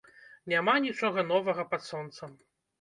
Няма нічога новага пад сонцам.